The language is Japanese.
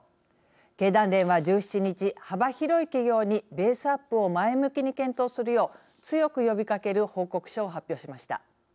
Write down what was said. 経団連は、１７日幅広い企業にベースアップを前向きに検討するよう強く呼びかける報告書を発表しました。